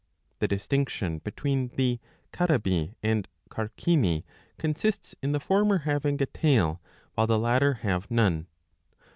The distinction between the Carabi and Carcini consists in the former having a tail while the latter have none.